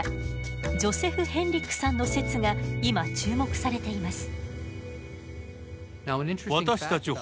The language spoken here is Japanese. ジョセフ・ヘンリックさんの説が今注目されています。